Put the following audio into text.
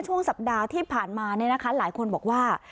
ช่วงสัปดาห์ที่ผ่านมาหลายคนบอกว่า